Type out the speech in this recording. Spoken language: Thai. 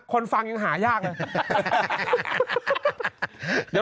คนฟังหายากเลย